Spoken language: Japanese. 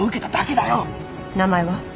名前は？